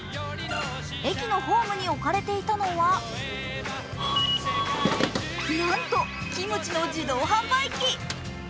駅のホームに置かれていたのは、なんとキムチの自動販売機。